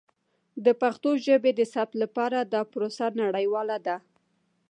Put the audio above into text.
د پښتو ژبې د ثبت لپاره دا پروسه نړیواله ده.